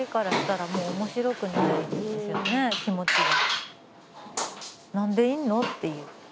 気持ちが。